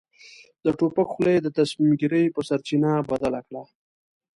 د توپک خوله يې د تصميم ګيرۍ په سرچينه بدله کړه.